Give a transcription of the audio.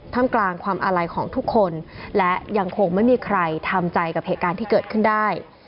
ที่ใครทำใจกับเหตุการณ์ที่เกิดขึ้นได้